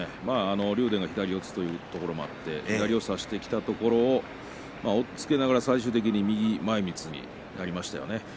竜電が左四つということもあって右を差してきたところを押っつけながら最終的に右前みつになりましたよね。